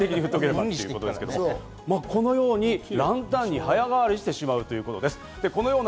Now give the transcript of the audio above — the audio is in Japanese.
このようにランタンに早変わりしてしまうということです。